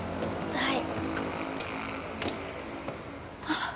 はい？